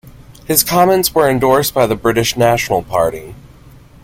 His comments were endorsed by the British National Party.